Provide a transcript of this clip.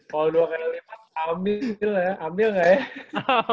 kalau dua kali lipat ambil ya ambil nggak ya